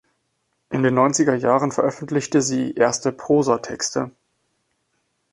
In den neunziger Jahren veröffentlichte sie erste Prosatexte.